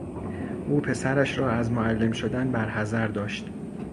او پسرش را از معلم شدن برحذر داشت.